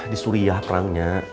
di suriah perangnya